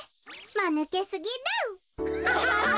まぬけすぎる。